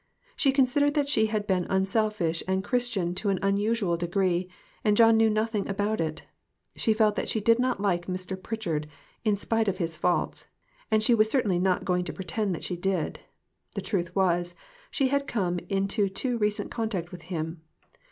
She considered that she had been unselfish and Christian to an unusual degree, and John knew nothing about it. She felt that she did not like Mr. Pritchard, "in spite of his faults," and she was certainly not going to pretend that she did. The truth was, she had come into too recent contact with him.